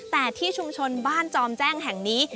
แต่ที่ชุมชนบ้านจอมแจ้งแห่งนี้